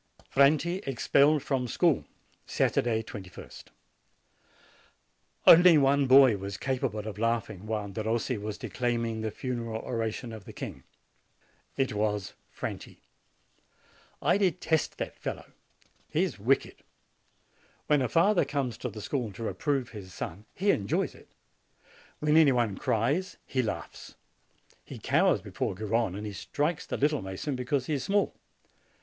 FRANTI EXPELLED FROM SCHOOL Saturday, 2ist. Only one boy was capable of laughing while Derossi was declaiming the funeral oration of the king. It was Franti. I detest that fellow. He is wicked. When a father comes to the school to reprove his son, he enjoys it; when any one cries, he laughs. He cowers before Garrone, and he strikes the little mason because he is small.